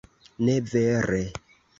Ne vere.